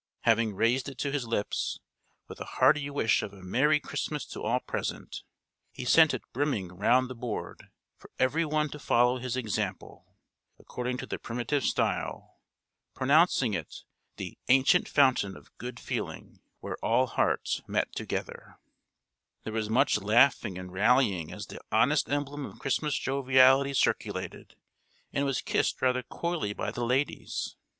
Having raised it to his lips, with a hearty wish of a merry Christmas to all present, he sent it brimming round the board, for every one to follow his example, according to the primitive style; pronouncing it "the ancient fountain of good feeling, where all hearts met together."[L] There was much laughing and rallying as the honest emblem of Christmas joviality circulated, and was kissed rather coyly by the ladies.